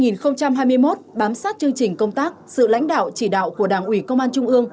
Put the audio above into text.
năm hai nghìn hai mươi một bám sát chương trình công tác sự lãnh đạo chỉ đạo của đảng ủy công an trung ương